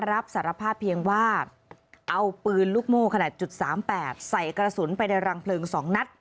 รับสารภาพเพียงว่าเอาปืนลูกโม่ขนาด๓๘ใส่กระสุนไปในรังเพลิง๒นัด